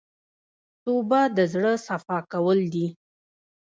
توبه د زړه صفا کول دي.